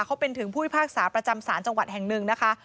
เขาเป็นถึงผู้พิพากษาประจำศาลจังหวัดแห่งหนึ่งนะคะ